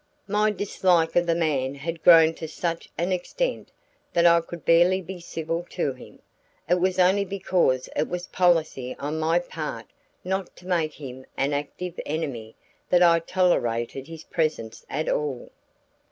My dislike of the man had grown to such an extent that I could barely be civil to him. It was only because it was policy on my part not to make him an active enemy that I tolerated his presence at all.